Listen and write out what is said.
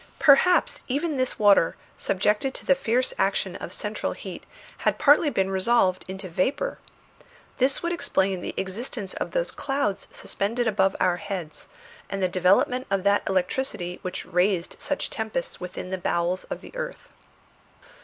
Perhaps even this water, subjected to the fierce action of central heat, had partly been resolved into vapour. This would explain the existence of those clouds suspended over our heads and the development of that electricity which raised such tempests within the bowels of the earth.